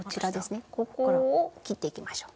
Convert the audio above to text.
ここを切っていきましょう。